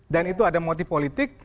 dan itu ada motif politik